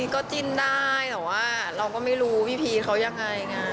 ก็จิ้นได้แต่ว่าเราก็ไม่รู้พี่พีเขายังไง